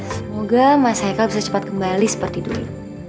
semoga mas haikal bisa cepat kembali seperti dulu